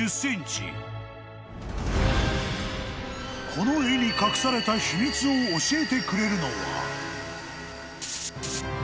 ［この絵に隠された秘密を教えてくれるのは］